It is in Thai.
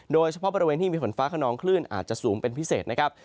โดยเฉพาะบริเวณที่มีฝนฟ้าขนองคลื่นอาจจะสูงเป็นพิเศษนะครับ